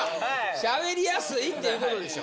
喋りやすいっていうことでしょ？